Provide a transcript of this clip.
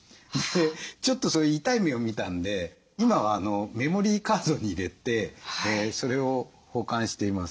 ちょっと痛い目を見たんで今はメモリーカードに入れてそれを保管しています。